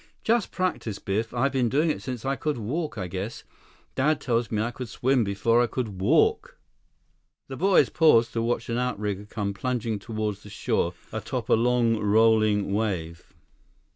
"Just practice, Biff. I've been doing it since I could walk, I guess. Dad tells me I could swim before I could walk." The boys paused to watch an outrigger come plunging toward the shore atop a long, rolling wave.